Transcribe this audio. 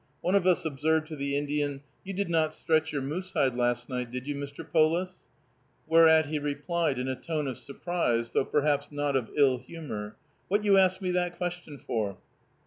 One of us observed to the Indian, "You did not stretch your moose hide last night, did you, Mr. Polis?" Whereat he replied, in a tone of surprise, though perhaps not of ill humor: "What you ask me that question for?